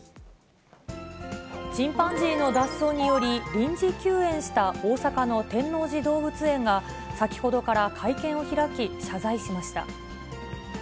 チンパンジーの脱走により、臨時休園した大阪の天王寺動物園が、先ほどから会見を開き、謝罪しました。